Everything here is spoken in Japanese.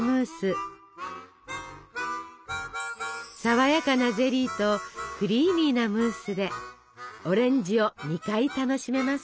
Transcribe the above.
さわやかなゼリーとクリーミーなムースでオレンジを２回楽しめます。